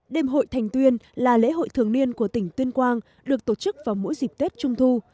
đêm hội thành tuyên là lễ hội thường niên của tỉnh tuyên quang được tổ chức vào mỗi dịp tết trung thu